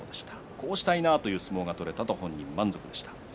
こうしたいなという相撲が取れたと本人も満足でした。